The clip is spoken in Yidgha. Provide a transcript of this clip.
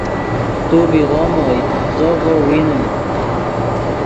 تو بی غوم اوئے زو ڤؤ وینیم